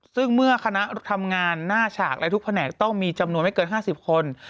ซึ่งเมื่อคณะทำงานหน้าฉากและทุกแผนกต้องมีจำนวนไม่เกิน๕๐คน